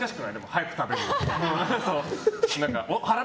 早く食べると。